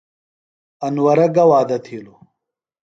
انورہ گہ وعدہ تِھیلوۡ؟